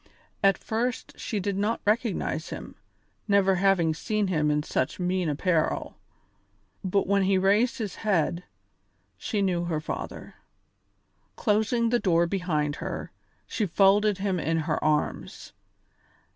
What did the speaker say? At first she did not recognise him, never having seen him in such mean apparel; but when he raised his head, she knew her father. Closing the door behind her, she folded him in her arms.